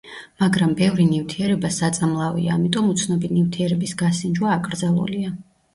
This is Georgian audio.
მაგრამ ბევრი ნივთიერება საწამლავია, ამიტომ უცნობი ნივთიერების გასინჯვა აკრძალულია.